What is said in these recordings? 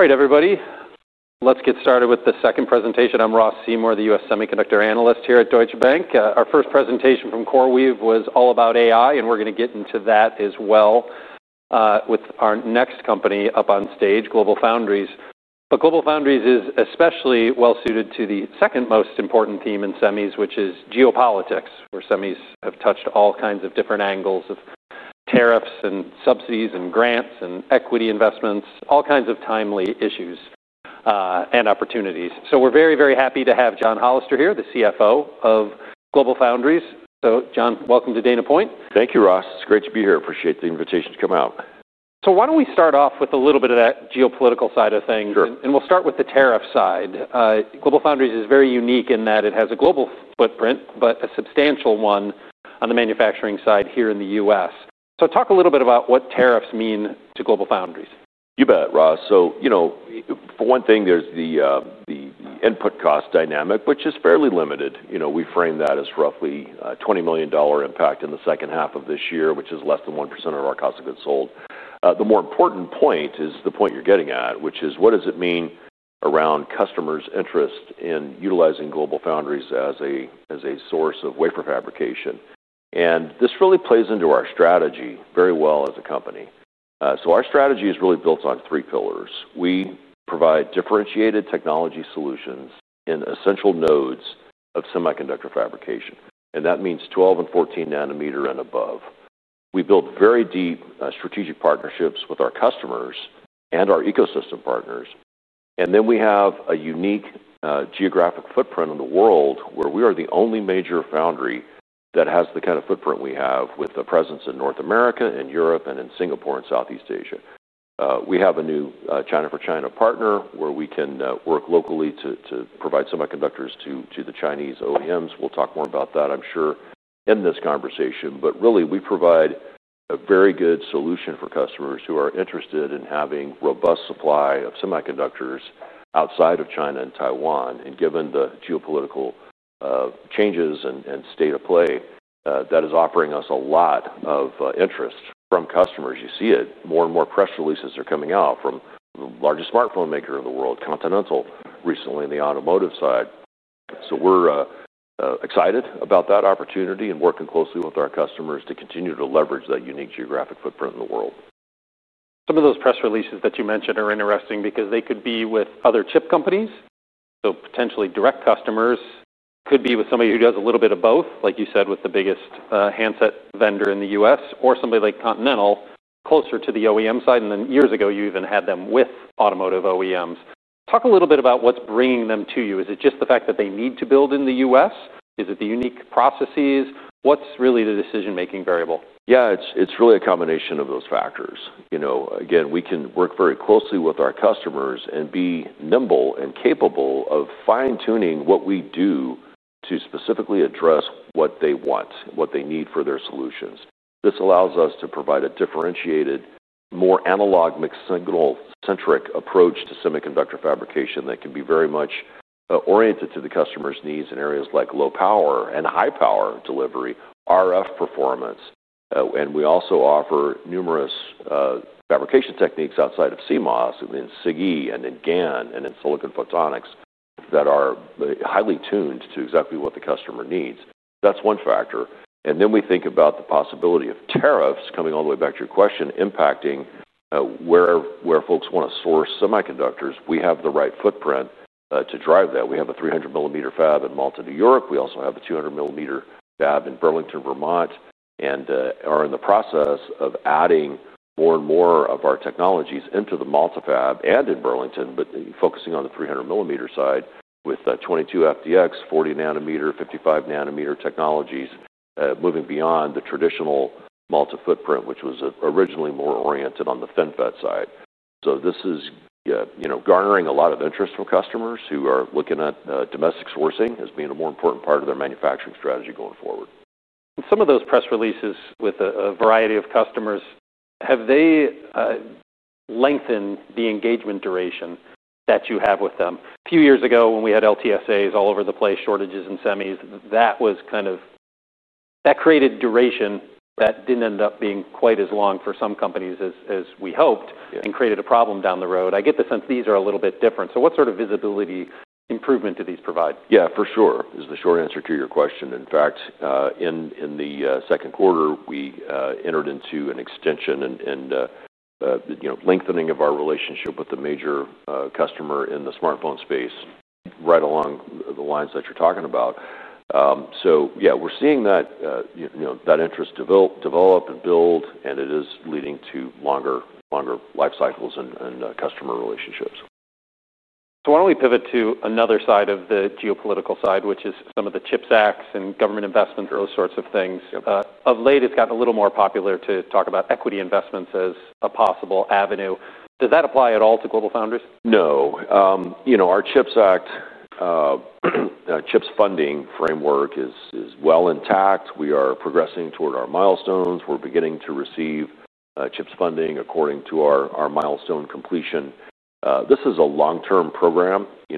Alright, everybody, let's get started with the second presentation. I'm Ross Clark Seymore, the US semiconductor analyst here at Deutsche Bank. Our first presentation from CoreWeave was all about AI, and we're going to get into that as well, with our next company up on stage, GlobalFoundries. GlobalFoundries is especially well suited to the second most important theme in semis, which is geopolitics, where semis have touched all kinds of different angles of tariffs and subsidies and grants and equity investments, all kinds of timely issues and opportunities. We're very, very happy to have John C. Hollister here, the CFO of GlobalFoundries. John, welcome to Dana Point. Thank you, Ross. It's great to be here. Appreciate the invitation to come out. Why don't we start off with a little bit of that geopolitical side of things? Sure. Let's start with the tariff side. GlobalFoundries is very unique in that it has a global footprint, but a substantial one on the manufacturing side here in the U.S. Talk a little bit about what tariffs mean to GlobalFoundries. You bet, Ross. For one thing, there's the input cost dynamic, which is fairly limited. We frame that as roughly a $20 million impact in the second half of this year, which is less than 1% of our cost of goods sold. The more important point is the point you're getting at, which is what does it mean around customers' interest in utilizing GlobalFoundries as a source of wafer fabrication? This really plays into our strategy very well as a company. Our strategy is really built on three pillars. We provide differentiated technology solutions in essential nodes of semiconductor fabrication, and that means 12 nm and 14 nm and above. We build very deep strategic partnerships with our customers and our ecosystem partners. We have a unique geographic footprint in the world where we are the only major foundry that has the kind of footprint we have with a presence in North America and Europe and in Singapore and Southeast Asia. We have a new China for China partner where we can work locally to provide semiconductors to the Chinese OEMs. We'll talk more about that, I'm sure, in this conversation. We provide a very good solution for customers who are interested in having robust supply of semiconductors outside of China and Taiwan. Given the geopolitical changes and state of play, that is offering us a lot of interest from customers. You see it. More and more press releases are coming out from the largest smartphone maker in the world, Continental, recently in the automotive side. We're excited about that opportunity and working closely with our customers to continue to leverage that unique geographic footprint in the world. Some of those press releases that you mentioned are interesting because they could be with other chip companies. Potentially direct customers could be with somebody who does a little bit of both, like you said, with the biggest handset vendor in the U.S. or somebody like Continental closer to the OEM side. Years ago, you even had them with automotive OEMs. Talk a little bit about what's bringing them to you. Is it just the fact that they need to build in the U.S.? Is it the unique processes? What's really the decision-making variable? Yeah, it's really a combination of those factors. Again, we can work very closely with our customers and be nimble and capable of fine-tuning what we do to specifically address what they want, what they need for their solutions. This allows us to provide a differentiated, more analog mixed-signal-centric approach to semiconductor fabrication that can be very much oriented to the customer's needs in areas like low power and high power delivery, RF performance. We also offer numerous fabrication techniques outside of CMOS, in CIGI and in GAN and in silicon photonics that are highly tuned to exactly what the customer needs. That's one factor. Then we think about the possibility of tariffs coming all the way back to your question, impacting where folks want to source semiconductors. We have the right footprint to drive that. We have a 300 mm fab in Malta, New York. We also have a 200 mm fab in Burlington, Vermont, and are in the process of adding more and more of our technologies into the Malta fab and in Burlington, focusing on the 300 mm side with 22 FDX, 40nm, 55nm technologies moving beyond the traditional Malta footprint, which was originally more oriented on the FinFET side. This is garnering a lot of interest from customers who are looking at domestic sourcing as being a more important part of their manufacturing strategy going forward. Some of those press releases with a variety of customers, have they lengthened the engagement duration that you have with them? A few years ago, when we had long-term agreements all over the place, shortages in semis, that created duration that didn't end up being quite as long for some companies as we hoped and created a problem down the road. I get the sense these are a little bit different. What sort of visibility improvement do these provide? Yeah, for sure, is the short answer to your question. In fact, in the second quarter, we entered into an extension and lengthening of our relationship with the major customer in the smartphone space right along the lines that you're talking about. Yeah, we're seeing that interest develop and build, and it is leading to longer life cycles and customer relationships. Why don't we pivot to another side of the geopolitical side, which is some of the CHIPS Act and government investments, those sorts of things? Of late, it's gotten a little more popular to talk about equity investments as a possible avenue. Does that apply at all to GlobalFoundries? No. Our CHIPS Act, CHIPS funding framework is well intact. We are progressing toward our milestones. We're beginning to receive CHIPS funding according to our milestone completion. This is a long-term program. We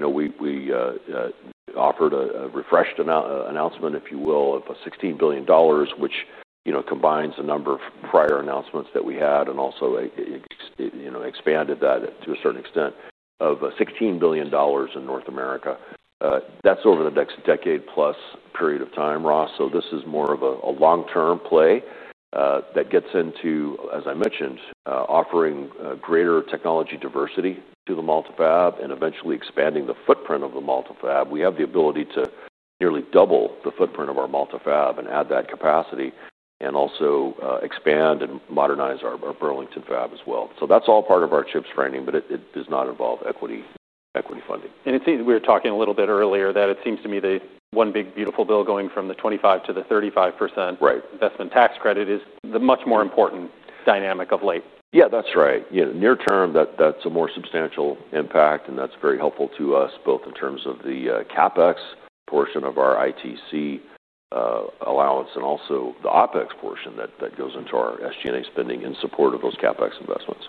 offered a refreshed announcement, if you will, of $16 billion, which combines a number of prior announcements that we had and also expanded that to a certain extent of $16 billion in North America. That's over the next decade-plus period of time, Ross. This is more of a long-term play that gets into, as I mentioned, offering greater technology diversity to the Malta fab and eventually expanding the footprint of the Malta fab. We have the ability to nearly double the footprint of our Malta fab and add that capacity and also expand and modernize our Burlington fab as well. That's all part of our CHIPS training, but it does not involve equity funding. It seems we were talking a little bit earlier that it seems to me the one big beautiful bill going from the 25% to the 35% investment tax credit is the much more important dynamic of late. Yeah, that's right. You know, near term, that's a more substantial impact, and that's very helpful to us both in terms of the CapEx portion of our ITC allowance and also the OpEx portion that goes into our SG&A spending in support of those CapEx investments.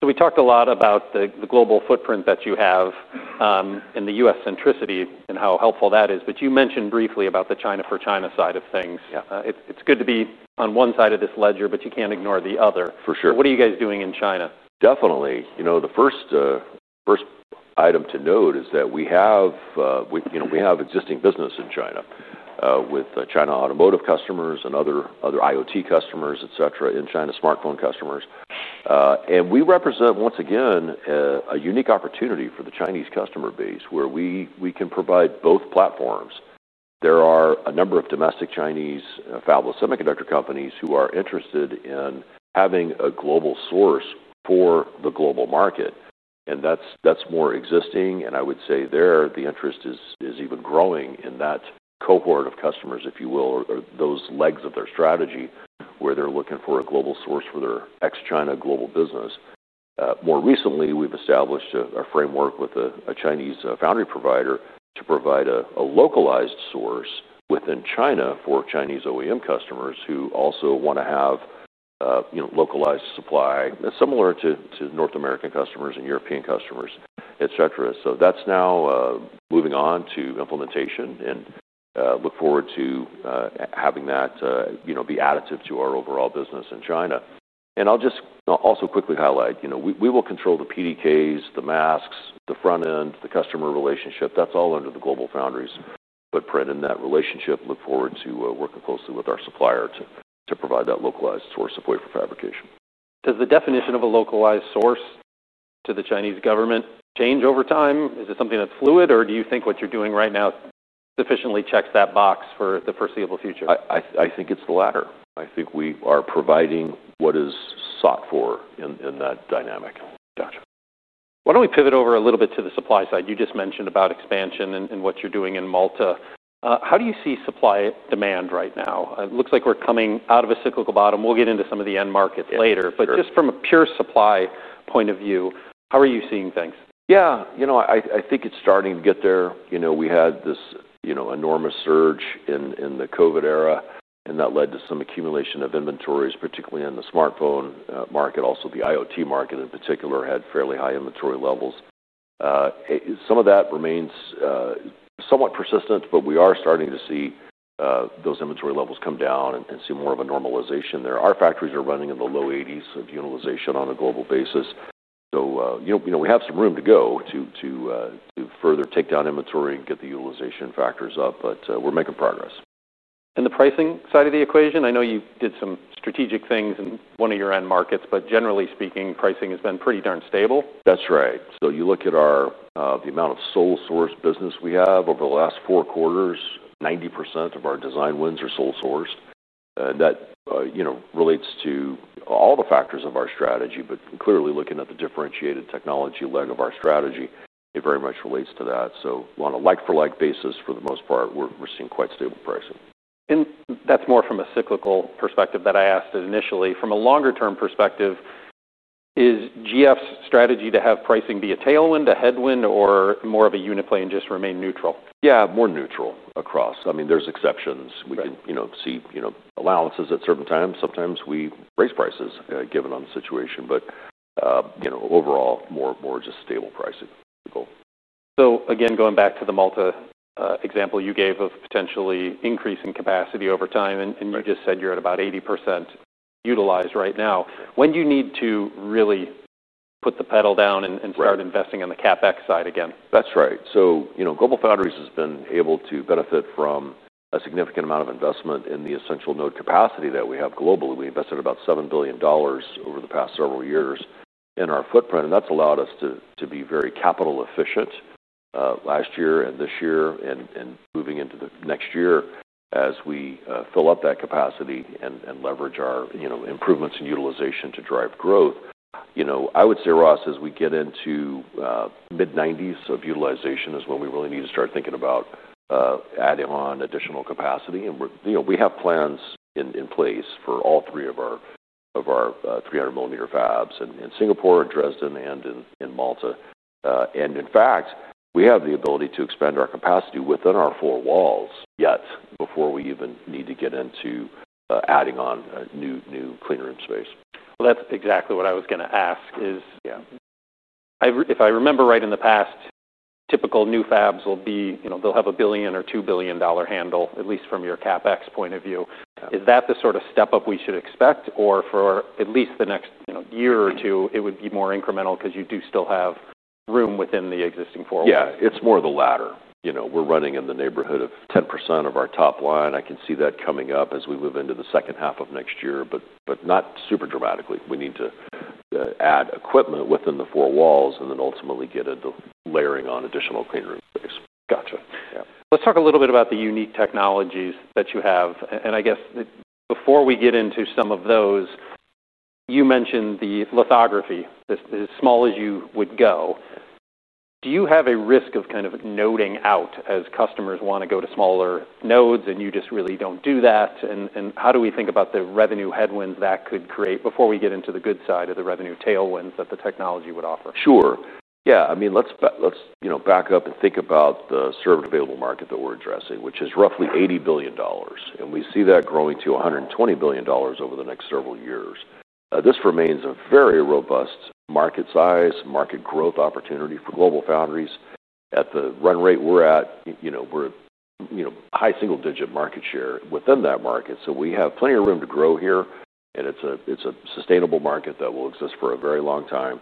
We talked a lot about the global footprint that you have and the U.S. centricity and how helpful that is, but you mentioned briefly about the China for China side of things. It's good to be on one side of this ledger, but you can't ignore the other. For sure. What are you guys doing in China? Definitely. The first item to note is that we have existing business in China with China automotive customers and other IoT customers, et cetera, and China smartphone customers. We represent, once again, a unique opportunity for the Chinese customer base where we can provide both platforms. There are a number of domestic Chinese fabless semiconductor companies who are interested in having a global source for the global market. That's more existing, and I would say there the interest is even growing in that cohort of customers, if you will, or those legs of their strategy where they're looking for a global source for their ex-China global business. More recently, we've established a framework with a Chinese foundry provider to provide a localized source within China for Chinese OEM customers who also want to have localized supply similar to North American customers and European customers, et cetera. That's now moving on to implementation and we look forward to having that be additive to our overall business in China. I'll just also quickly highlight, we will control the PDKs, the masks, the front end, the customer relationship. That's all under the GlobalFoundries footprint in that relationship. We look forward to working closely with our supplier to provide that localized source of wafer fabrication. Does the definition of a localized source to the Chinese government change over time? Is it something that's fluid, or do you think what you're doing right now sufficiently checks that box for the foreseeable future? I think it's the latter. I think we are providing what is sought for in that dynamic. Gotcha. Why don't we pivot over a little bit to the supply side? You just mentioned about expansion and what you're doing in Malta. How do you see supply demand right now? It looks like we're coming out of a cyclical bottom. We'll get into some of the end markets later. Just from a pure supply point of view, how are you seeing things? Yeah, I think it's starting to get there. We had this enormous surge in the COVID era, and that led to some accumulation of inventories, particularly in the smartphone market. Also, the IoT market in particular had fairly high inventory levels. Some of that remains somewhat persistent, but we are starting to see those inventory levels come down and see more of a normalization there. Our factories are running in the low 80% of utilization on a global basis. We have some room to go to further take down inventory and get the utilization factors up, but we're making progress. On the pricing side of the equation, I know you did some strategic things in one of your end markets, but generally speaking, pricing has been pretty darn stable. That's right. You look at the amount of sole source business we have over the last four quarters, 90% of our design wins are sole sourced. That relates to all the factors of our strategy, but clearly looking at the differentiated technology leg of our strategy, it very much relates to that. On a like-for-like basis, for the most part, we're seeing quite stable pricing. That's more from a cyclical perspective that I asked it initially. From a longer-term perspective, is GlobalFoundries' strategy to have pricing be a tailwind, a headwind, or more of a unit play and just remain neutral? Yeah, more neutral across. I mean, there's exceptions. We can see allowances at certain times. Sometimes we raise prices given on the situation, but overall, more just stable pricing. Going back to the Malta example you gave of potentially increasing capacity over time, and you just said you're at about 80% utilized right now. When do you need to really put the pedal down and start investing on the CapEx side again? That's right. GlobalFoundries has been able to benefit from a significant amount of investment in the essential node capacity that we have globally. We invested about $7 billion over the past several years in our footprint, and that's allowed us to be very capital efficient last year, this year, and moving into next year as we fill up that capacity and leverage our improvements in utilization to drive growth. I would say, Ross, as we get into the mid 90% of utilization is when we really need to start thinking about adding on additional capacity. We have plans in place for all three of our 300 mm fabs in Singapore, Dresden, and in Malta. In fact, we have the ability to expand our capacity within our four walls yet before we even need to get into adding on new clean room space. That's exactly what I was going to ask is, you know, if I remember right in the past, typical new fabs will be, you know, they'll have a $1 billion or $2 billion handle, at least from your CapEx point of view. Is that the sort of step up we should expect or for at least the next, you know, year or two, it would be more incremental because you do still have room within the existing four walls? Yeah, it's more the latter. You know, we're running in the neighborhood of 10% of our top line. I can see that coming up as we move into the second half of next year, but not super dramatically. We need to add equipment within the four walls, and then ultimately get into layering on additional clean room space. Gotcha. Let's talk a little bit about the unique technologies that you have. I guess before we get into some of those, you mentioned the lithography, as small as you would go. Do you have a risk of kind of node-ing out as customers want to go to smaller nodes and you just really don't do that? How do we think about the revenue headwinds that could create before we get into the good side of the revenue tailwinds that the technology would offer? Sure. Yeah, I mean, let's back up and think about the service available market that we're addressing, which is roughly $80 billion. We see that growing to $120 billion over the next several years. This remains a very robust market size, market growth opportunity for GlobalFoundries. At the run rate we're at, we're a high single-digit market share within that market. We have plenty of room to grow here. It's a sustainable market that will exist for a very long time.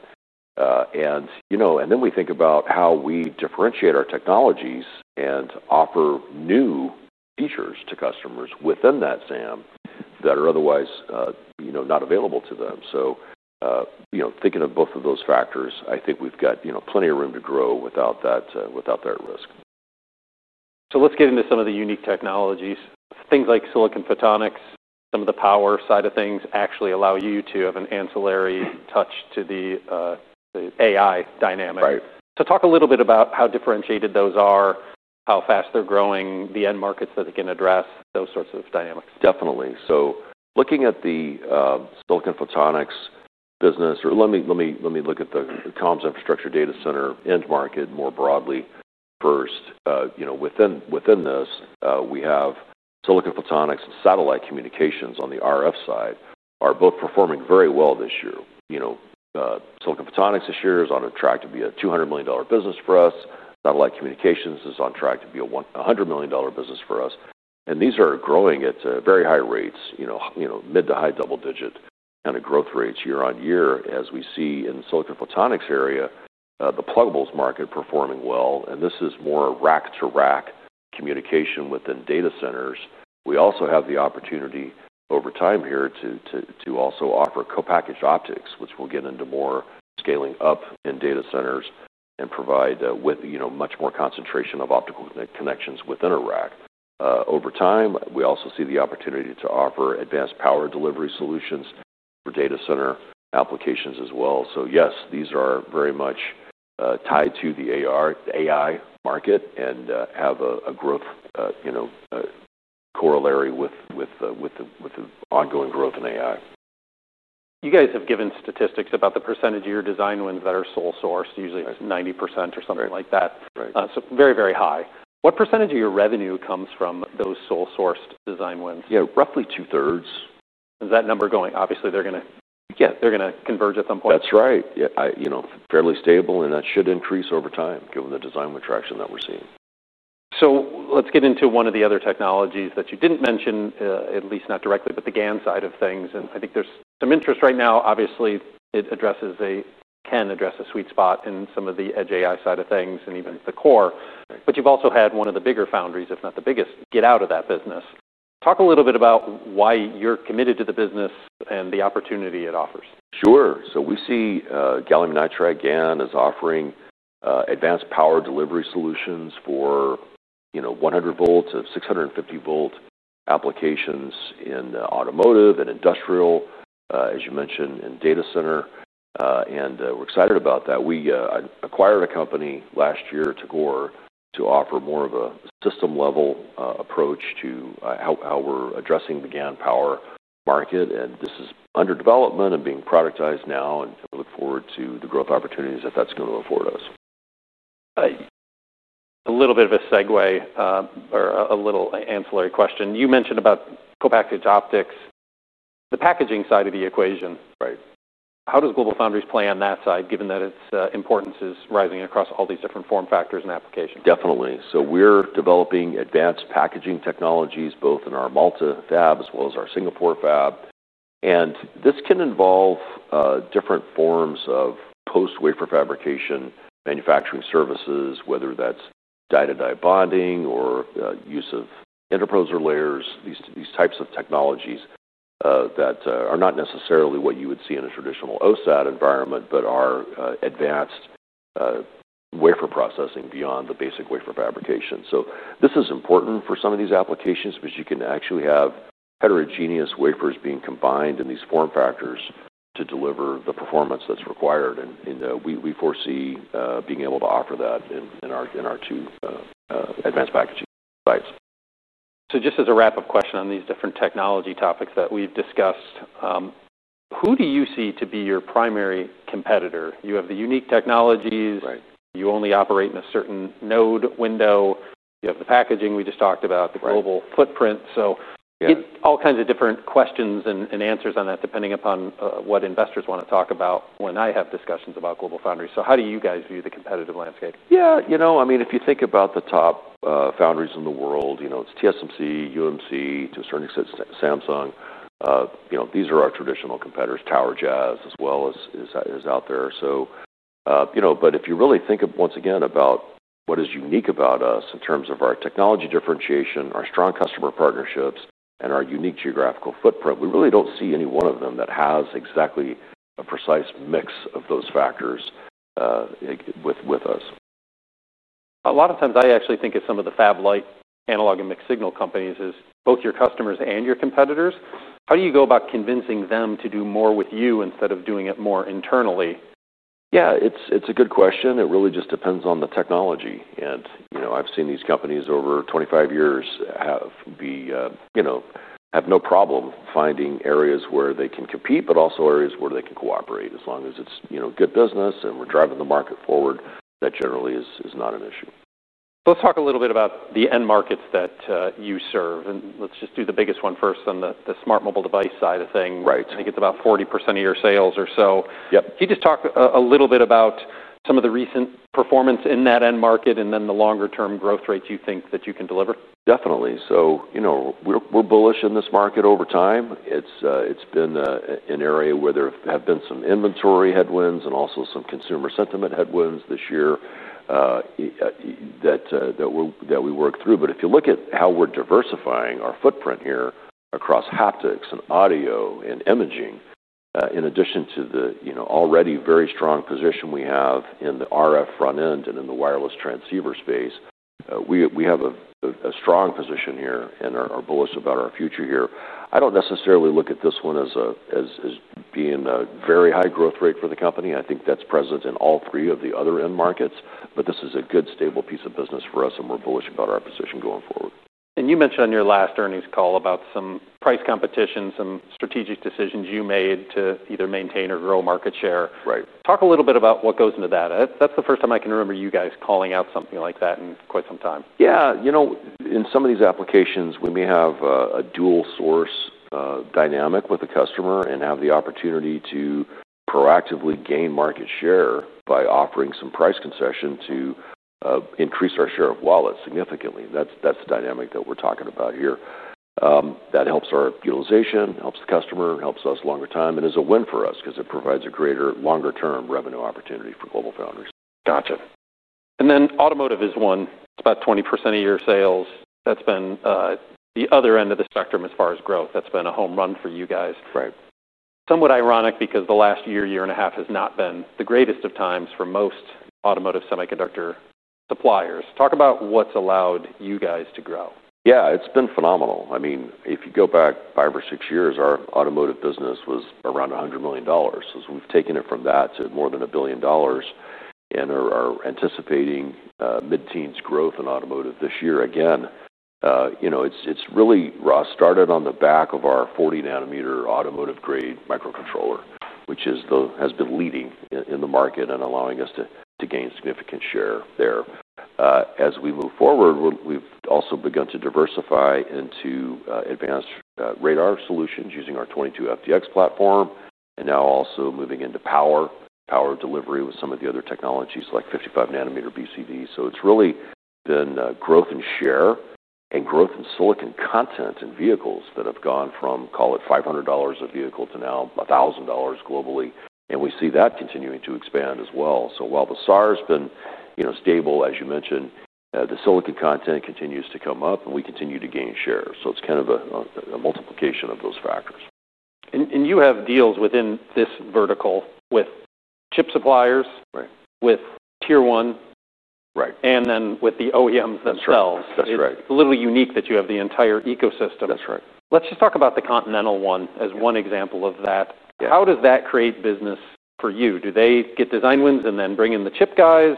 We think about how we differentiate our technologies and offer new features to customers within that SAM that are otherwise not available to them. Thinking of both of those factors, I think we've got plenty of room to grow without that risk. Let's get into some of the unique technologies. Things like silicon photonics, some of the power side of things actually allow you to have an ancillary touch to the AI dynamic. Right. Talk a little bit about how differentiated those are, how fast they're growing, the end markets that they can address, those sorts of dynamics. Definitely. Looking at the silicon photonics business, or let me look at the comms infrastructure data center end market more broadly first. Within this, we have silicon photonics and satellite communications on the RF side, both performing very well this year. Silicon photonics this year is on track to be a $200 million business for us. Satellite communications is on track to be a $100 million business for us. These are growing at very high rates, mid to high double-digit kind of growth rates year on year as we see in the silicon photonics area, the plugables market performing well. This is more rack-to-rack communication within data centers. We also have the opportunity over time here to offer co-packaged optics, which we'll get into more, scaling up in data centers and providing much more concentration of optical connections within a rack. Over time, we also see the opportunity to offer advanced power delivery solutions for data center applications as well. These are very much tied to the AI market and have a growth corollary with the ongoing growth in AI. You guys have given statistics about the percentage of your design wins that are sole-sourced, usually 90% or something like that. Right. Very, very high. What percentage of your revenue comes from those sole-sourced design wins? Yeah, roughly two-thirds. Is that number going? Obviously, they're going to, yeah, they're going to converge at some point. That's right. Yeah, you know, fairly stable, and that should increase over time given the design retraction that we're seeing. Let's get into one of the other technologies that you didn't mention, at least not directly, but the GaN side of things. I think there's some interest right now. Obviously, it addresses, can address a sweet spot in some of the edge AI side of things and even the core. You've also had one of the bigger foundries, if not the biggest, get out of that business. Talk a little bit about why you're committed to the business and the opportunity it offers. Sure. We see Gallium Nitride, GaN, as offering advanced power delivery solutions for 100-volt-650-volt applications in automotive and industrial, as you mentioned, in data center. We're excited about that. We acquired a company last year, Tegor, to offer more of a system-level approach to how we're addressing the GaN power market. This is under development and being productized now. I look forward to the growth opportunities that that's going to afford us. A little bit of a segue or a little ancillary question. You mentioned about co-packaged optics, the packaging side of the equation. Right. How does GlobalFoundries play on that side, given that its importance is rising across all these different form factors and applications? Definitely. We are developing advanced packaging technologies both in our Malta fab as well as our Singapore fab. This can involve different forms of post-wafer fabrication manufacturing services, whether that's die-to-die bonding or use of interposer layers, these types of technologies that are not necessarily what you would see in a traditional OSAT environment, but are advanced wafer processing beyond the basic wafer fabrication. This is important for some of these applications because you can actually have heterogeneous wafers being combined in these form factors to deliver the performance that's required. We foresee being able to offer that in our two advanced packaging sites. Just as a wrap-up question on these different technology topics that we've discussed, who do you see to be your primary competitor? You have the unique technologies. Right. You only operate in a certain node window. You have the packaging we just talked about, the global footprint. All kinds of different questions and answers on that, depending upon what investors want to talk about when I have discussions about GlobalFoundries. How do you guys view the competitive landscape? Yeah, you know, I mean, if you think about the top foundries in the world, you know, it's TSMC, UMC, to a certain extent Samsung. These are our traditional competitors, PowerJazz as well is out there. If you really think once again about what is unique about us in terms of our technology differentiation, our strong customer partnerships, and our unique geographical footprint, we really don't see any one of them that has exactly a precise mix of those factors with us. A lot of times I actually think of some of the fab-like analog and mixed signal companies as both your customers and your competitors. How do you go about convincing them to do more with you instead of doing it more internally? Yeah, it's a good question. It really just depends on the technology. I've seen these companies over 25 years have no problem finding areas where they can compete, but also areas where they can cooperate. As long as it's good business and we're driving the market forward, that generally is not an issue. Let's talk a little bit about the end markets that you serve. Let's just do the biggest one first on the smart mobile device side of things. Right. I think it's about 40% of your sales or so. Yep. Can you just talk a little bit about some of the recent performance in that end market, and then the longer-term growth rates you think that you can deliver? Definitely. We're bullish in this market over time. It's been an area where there have been some inventory headwinds and also some consumer sentiment headwinds this year that we work through. If you look at how we're diversifying our footprint here across haptics and audio and imaging, in addition to the already very strong position we have in the RF front end and in the wireless transceiver space, we have a strong position here and are bullish about our future here. I don't necessarily look at this one as being a very high growth rate for the company. I think that's present in all three of the other end markets, but this is a good stable piece of business for us and we're bullish about our position going forward. You mentioned on your last earnings call about some price competition, some strategic decisions you made to either maintain or grow market share. Right. Talk a little bit about what goes into that. That's the first time I can remember you guys calling out something like that in quite some time. Yeah, you know, in some of these applications, we may have a dual source dynamic with a customer and have the opportunity to proactively gain market share by offering some price concession to increase our share of wallets significantly. That's the dynamic that we're talking about here. That helps our utilization, helps the customer, helps us longer time, and is a win for us because it provides a greater longer-term revenue opportunity for GlobalFoundries. Gotcha. Automotive is one. It's about 20% of your sales. That's been the other end of the spectrum as far as growth. That's been a home run for you guys. Right. Somewhat ironic because the last year, year and a half has not been the greatest of times for most automotive semiconductor suppliers. Talk about what's allowed you guys to grow. Yeah, it's been phenomenal. I mean, if you go back five or six years, our automotive business was around $100 million. We've taken it from that to more than $1 billion and are anticipating mid-teens growth in automotive this year again. You know, it's really, Ross, started on the back of our 40nm automotive-grade microcontroller, which has been leading in the market and allowing us to gain significant share there. As we move forward, we've also begun to diversify into advanced radar solutions using our 22 FDX platform and now also moving into power, power delivery with some of the other technologies like 55nm BCD. It's really been growth in share and growth in silicon content in vehicles that have gone from, call it, $500 a vehicle to now $1,000 globally. We see that continuing to expand as well. While the SAR has been, you know, stable, as you mentioned, the silicon content continues to come up and we continue to gain share. It's kind of a multiplication of those factors. You have deals within this vertical with chip suppliers, with tier one, and then with the OEMs themselves. That's right. a little unique that you have the entire ecosystem. That's right. Let's just talk about the Continental one as one example of that. How does that create business for you? Do they get design wins and then bring in the chip guys?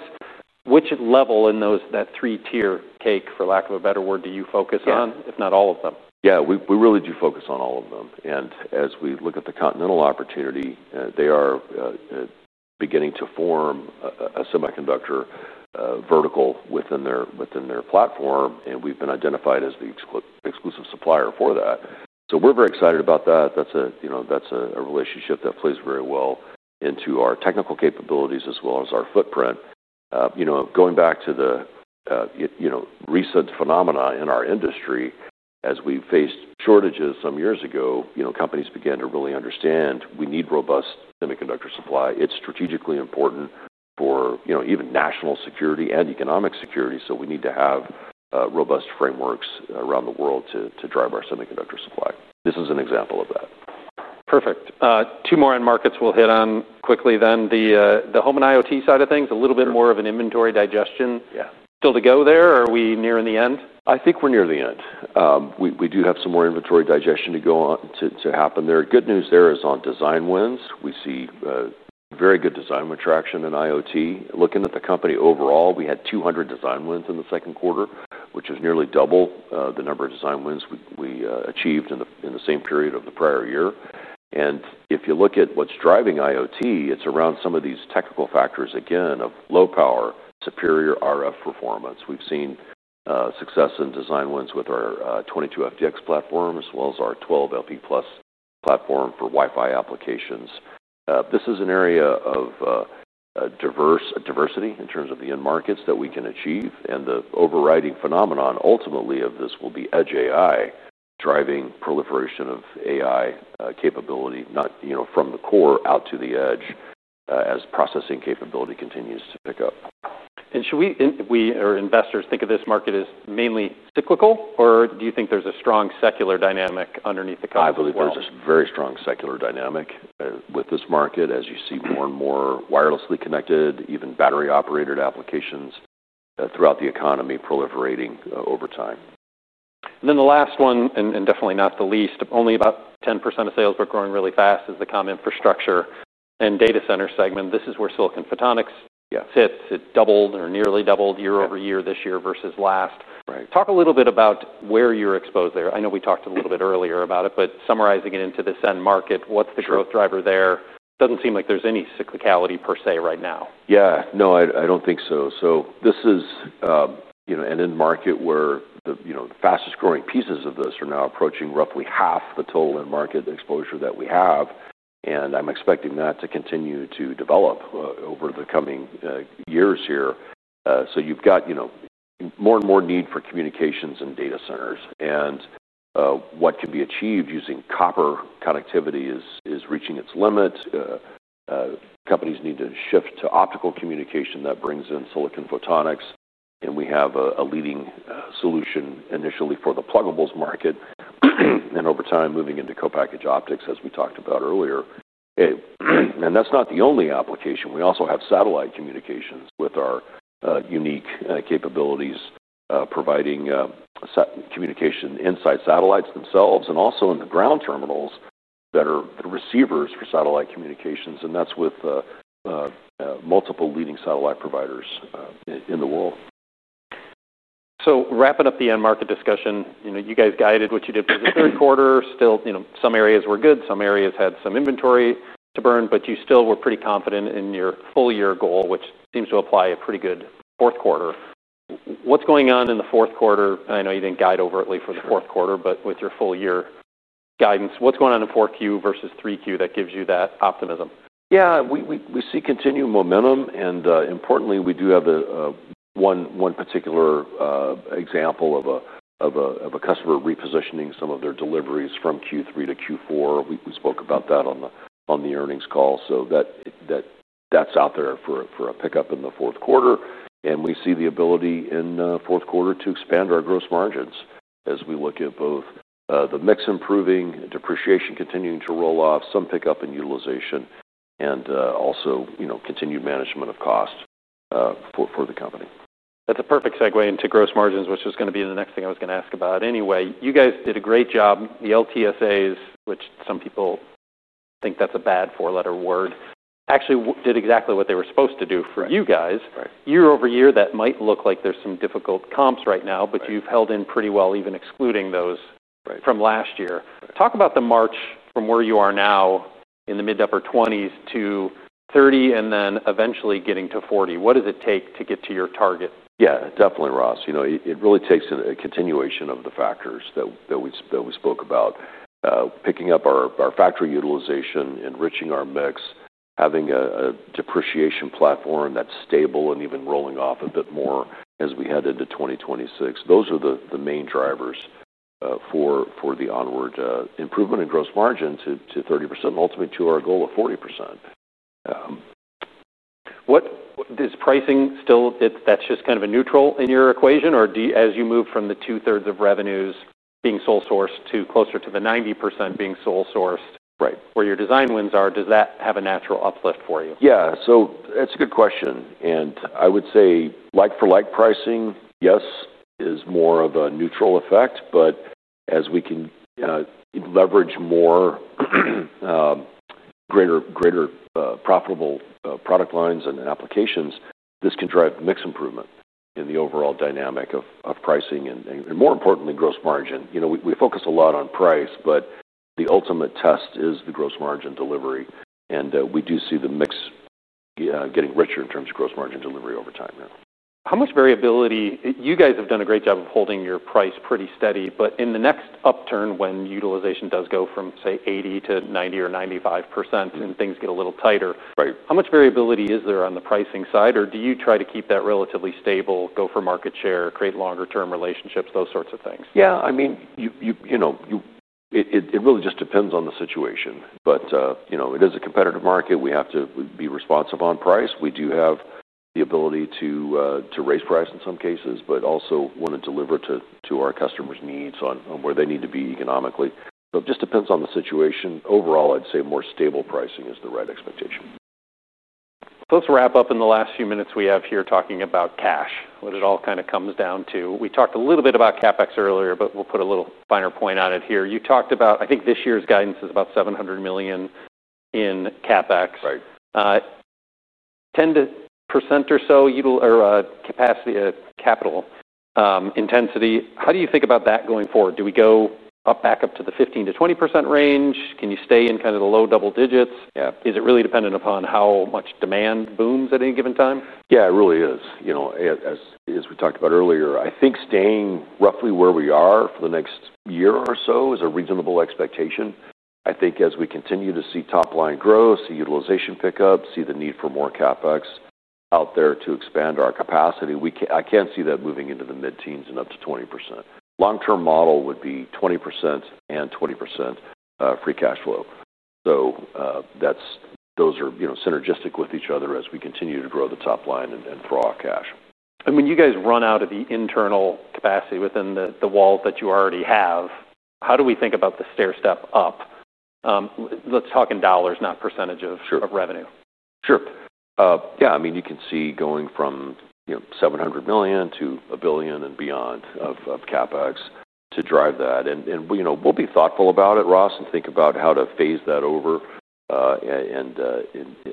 Which level in those, that three-tier cake, for lack of a better word, do you focus on, if not all of them? We really do focus on all of them. As we look at the Continental opportunity, they are beginning to form a semiconductor vertical within their platform, and we've been identified as the exclusive supplier for that. We're very excited about that. That's a relationship that plays very well into our technical capabilities as well as our footprint. Going back to the reset phenomena in our industry, as we faced shortages some years ago, companies began to really understand we need robust semiconductor supply. It's strategically important for even national security and economic security. We need to have robust frameworks around the world to drive our semiconductor supply. This is an example of that. Perfect. Two more end markets we'll hit on quickly. The home and IoT side of things, a little bit more of an inventory digestion. Yeah. Still to go there, or are we near the end? I think we're near the end. We do have some more inventory digestion to happen there. Good news there is on design wins. We see very good design retraction in IoT. Looking at the company overall, we had 200 design wins in the second quarter, which is nearly double the number of design wins we achieved in the same period of the prior year. If you look at what's driving IoT, it's around some of these technical factors again of low power, superior RF performance. We've seen success in design wins with our 22 FDX platform as well as our 12 LP Plus platform for Wi-Fi applications. This is an area of diversity in terms of the end markets that we can achieve. The overriding phenomenon ultimately of this will be edge AI, driving proliferation of AI capability, not, you know, from the core out to the edge as processing capability continues to pick up. Should we, or investors, think of this market as mainly cyclical, or do you think there's a strong secular dynamic underneath the curve? I believe there's a very strong secular dynamic with this market, as you see more and more wirelessly connected, even battery-operated applications throughout the economy proliferating over time. The last one, and definitely not the least, only about 10% of sales but growing really fast, is the com infrastructure and data center segment. This is where silicon photonics sits. It doubled or nearly doubled year-over-year this year versus last. Right. Talk a little bit about where you're exposed there. I know we talked a little bit earlier about it, but summarizing it into this end market, what's the growth driver there? It doesn't seem like there's any cyclicality per se right now. No, I don't think so. This is an end market where the fastest growing pieces of this are now approaching roughly half the total end market exposure that we have. I'm expecting that to continue to develop over the coming years here. You've got more and more need for communications and data centers. What can be achieved using copper connectivity is reaching its limit. Companies need to shift to optical communication that brings in silicon photonics. We have a leading solution initially for the plugables market, and over time, moving into co-package optics, as we talked about earlier. That's not the only application. We also have satellite communications with our unique capabilities, providing communication inside satellites themselves and also in the ground terminals that are the receivers for satellite communications. That's with multiple leading satellite providers in the world. Wrapping up the end market discussion, you know, you guys guided what you did for the third quarter. Still, you know, some areas were good, some areas had some inventory to burn, but you still were pretty confident in your full year goal, which seems to apply a pretty good fourth quarter. What's going on in the fourth quarter? I know you didn't guide overtly for the fourth quarter, but with your full year guidance, what's going on in 4Q versus 3Q that gives you that optimism? Yeah, we see continued momentum. Importantly, we do have one particular example of a customer repositioning some of their deliveries from Q3 to Q4. We spoke about that on the earnings call. That's out there for a pickup in the fourth quarter. We see the ability in the fourth quarter to expand our gross margins as we look at both the mix improving, depreciation continuing to roll off, some pickup in utilization, and also continued management of cost for the company. That's a perfect segue into gross margins, which was going to be the next thing I was going to ask about. Anyway, you guys did a great job. The long-term agreements, which some people think that's a bad four-letter word, actually did exactly what they were supposed to do for you guys. Right. year-over-year, that might look like there's some difficult comps right now, but you've held in pretty well, even excluding those from last year. Right. Talk about the march from where you are now in the mid-upper 20%-30% and then eventually getting to 40%. What does it take to get to your target? Yeah, definitely, Ross. You know, it really takes a continuation of the factors that we spoke about, picking up our factory utilization, enriching our mix, having a depreciation platform that's stable and even rolling off a bit more as we head into 2026. Those are the main drivers for the onward improvement in gross margin to 30% and ultimately to our goal of 40%. Does pricing still, that's just kind of a neutral in your equation, or do you, as you move from the two-thirds of revenues being sole sourced to closer to the 90% being sole sourced. Right. Where your design wins are, does that have a natural uplift for you? Yeah, that's a good question. I would say like-for-like pricing, yes, is more of a neutral effect, but as we can leverage more greater profitable product lines and applications, this can drive mix improvement in the overall dynamic of pricing and, more importantly, gross margin. We focus a lot on price, but the ultimate test is the gross margin delivery. We do see the mix getting richer in terms of gross margin delivery over time now. How much variability? You guys have done a great job of holding your price pretty steady, but in the next upturn when utilization does go from, say, 80% to 90% or 95% and things get a little tighter, how much variability is there on the pricing side, or do you try to keep that relatively stable, go for market share, create longer-term relationships, those sorts of things? Yeah, I mean, it really just depends on the situation, but you know, it is a competitive market. We have to be responsive on price. We do have the ability to raise price in some cases, but also want to deliver to our customers' needs on where they need to be economically. It just depends on the situation. Overall, I'd say more stable pricing is the right expectation. Let's wrap up in the last few minutes we have here talking about cash, what it all kind of comes down to. We talked a little bit about CapEx earlier, but we'll put a little finer point on it here. You talked about, I think this year's guidance is about $700 million in CapEx. Right. 10% or so capacity at capital intensity. How do you think about that going forward? Do we go back up to the 15%-20% range? Can you stay in kind of the low double digits? Yeah. Is it really dependent upon how much demand booms at any given time? Yeah, it really is. As we talked about earlier, I think staying roughly where we are for the next year or so is a reasonable expectation. I think as we continue to see top line growth, see utilization pickup, see the need for more CapEx out there to expand our capacity, I can see that moving into the mid-teens and up to 20%. Long-term model would be 20% and 20% free cash flow. Those are, you know, synergistic with each other as we continue to grow the top line and throw out cash. You guys run out of the internal capacity within the wall that you already have. How do we think about the stair step up? Let's talk in dollars, not percentage of revenue. Sure. You can see going from $700 million to $1 billion and beyond of CapEx to drive that. We'll be thoughtful about it, Ross, and think about how to phase that over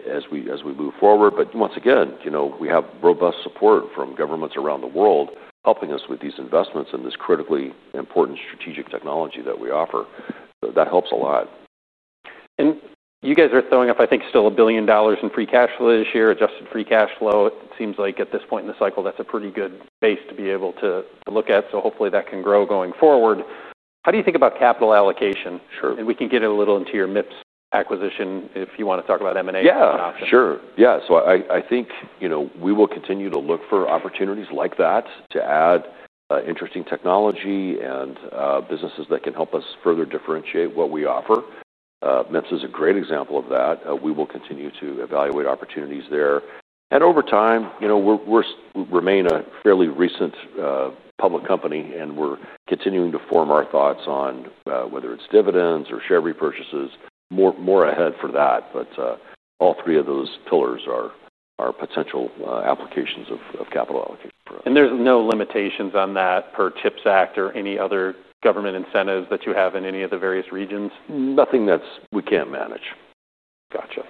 as we move forward. Once again, we have robust support from governments around the world helping us with these investments and this critically important strategic technology that we offer. That helps a lot. You guys are throwing up, I think, still $1 billion in free cash flow this year, adjusted free cash flow. It seems like at this point in the cycle, that's a pretty good base to be able to look at. Hopefully that can grow going forward. How do you think about capital allocation? Sure. We can get a little into your MIPS acquisition if you want to talk about M&A as an option. Yeah, sure. I think we will continue to look for opportunities like that to add interesting technology and businesses that can help us further differentiate what we offer. MIPS is a great example of that. We will continue to evaluate opportunities there. Over time, we remain a fairly recent public company and we're continuing to form our thoughts on whether it's dividends or share repurchases, more ahead for that. All three of those pillars are potential applications of capital allocation. Are there no limitations on that per CHIPS Act or any other government incentives that you have in any of the various regions? Nothing that we can't manage. Gotcha.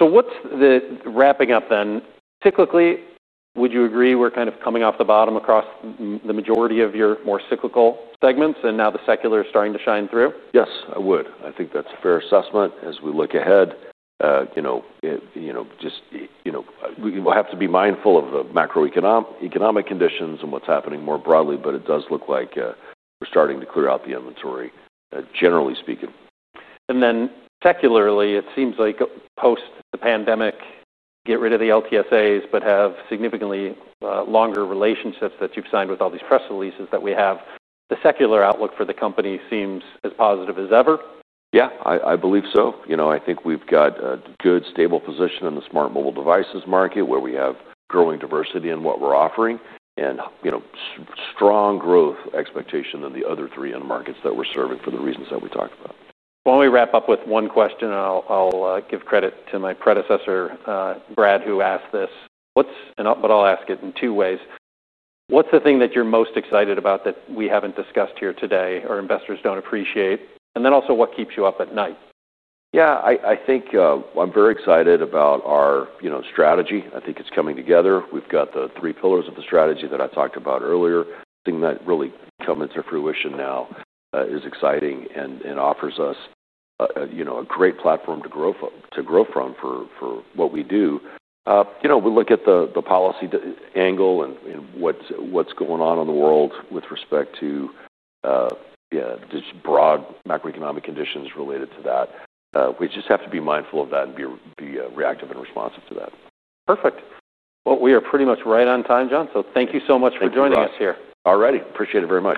What's the wrapping up then? Cyclically, would you agree we're kind of coming off the bottom across the majority of your more cyclical segments, and now the secular is starting to shine through? Yes, I would. I think that's a fair assessment as we look ahead. We have to be mindful of the macro-economic conditions and what's happening more broadly, but it does look like we're starting to clear out the inventory, generally speaking. Secularly, it seems like post the pandemic, get rid of the long-term agreements, but have significantly longer relationships that you've signed with all these press releases that we have. The secular outlook for the company seems as positive as ever. Yeah, I believe so. I think we've got a good, stable position in the smart mobile devices market where we have growing diversity in what we're offering, and strong growth expectation in the other three end markets that we're serving for the reasons that we talked about. Why don't we wrap up with one question, and I'll give credit to my predecessor, Brad, who asked this, but I'll ask it in two ways. What's the thing that you're most excited about that we haven't discussed here today or investors don't appreciate? Also, what keeps you up at night? I think I'm very excited about our strategy. I think it's coming together. We've got the three pillars of the strategy that I talked about earlier. The thing that really comes to fruition now is exciting and offers us a great platform to grow from for what we do. We look at the policy angle and what's going on in the world with respect to just broad macroeconomic conditions related to that. We just have to be mindful of that and be reactive and responsive to that. Perfect. We are pretty much right on time, John. Thank you so much for joining us here. All right. Appreciate it very much.